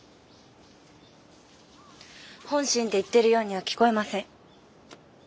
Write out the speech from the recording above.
本心で言ってるようには聞こえません。